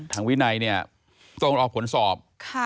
ตรงนี้พอผลสอบ